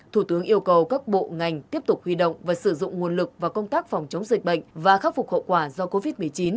thủ tướng yêu cầu các bộ ngành tiếp tục huy động và sử dụng nguồn lực vào công tác phòng chống dịch bệnh và khắc phục hậu quả do covid một mươi chín